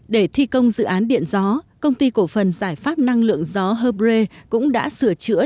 để thi công dự án điện gió công ty cổ phần giải pháp năng lượng gió hơbre cũng đã sửa chữa